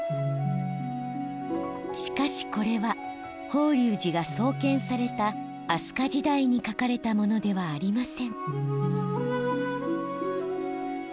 しかしこれは法隆寺が創建された飛鳥時代に描かれたものではありません。